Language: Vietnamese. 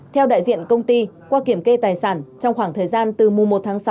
theo đại diện công ty qua kiểm kê tài sản trong khoảng thời gian từ mùa một tháng sáu